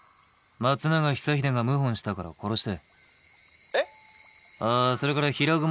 荒木村重が謀反したから殺して。